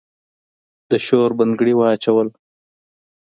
د شور بنګړي واچول